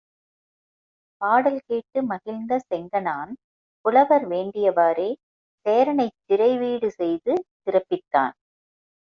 பாடல் கேட்டு மகிழ்ந்த செங்கணான், புலவர் வேண்டியவாறே, சேரனைச் சிறை வீடு செய்து சிறப்பித்தான்.